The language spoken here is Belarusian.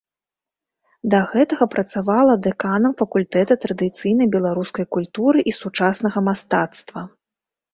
Да гэтага працавала дэканам факультэта традыцыйнай беларускай культуры і сучаснага мастацтва.